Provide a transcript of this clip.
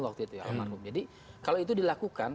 waktu itu ya almarhum jadi kalau itu dilakukan